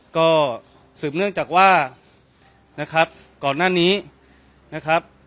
ก็สืบเนื่องจากว่านะครับก่อนหน้านี้นะครับ